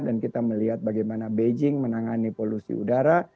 dan kita melihat bagaimana beijing menangani polusi udara